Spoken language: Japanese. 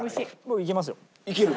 いけますよ。